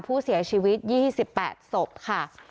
ผู้เสียชีวิต๒๘ศพค่ะ